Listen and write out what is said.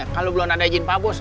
kalau belum ada izin pak bos